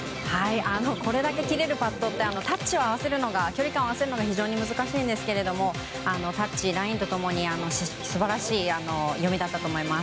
これだけ切れるパットって距離感を合わせるのが非常に難しいんですけどタッチ、ラインともに素晴らしい読みだったと思います。